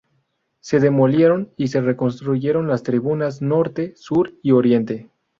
Se demolieron y reconstruyeron las tribunas norte, sur y oriente.